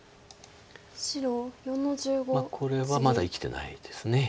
まあこれはまだ生きてないです。